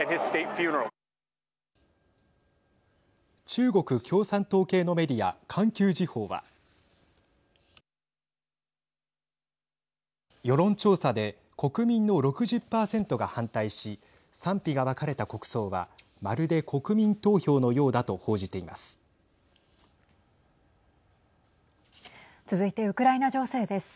中国共産党系のメディア環球時報は。世論調査で国民の６０％が反対し賛否が分かれた国葬はまるで国民投票のようだと報じています。